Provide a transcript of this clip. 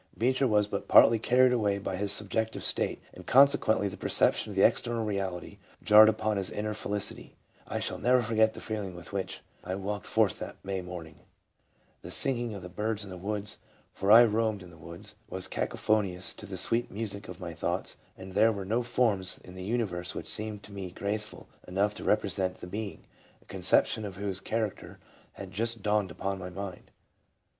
Beecher was but partly carried away by his subjective state ; and consequently the perception of external reality jarred upon his inner felicity :" I shall never forget the feelings with which I walked forth that May morning The singing of the birds in the woods — for I roamed in the woods — was caco phonious to the sweet music of my thoughts ; and there were no forms in the universe which seemed to me graceful enough to represent the Being, a conception of whose char acter had just dawned upon my mind.